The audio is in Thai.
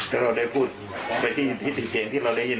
แต่เราได้พูดไปที่พิสิทธิ์เกณฑ์ที่เราได้ยิน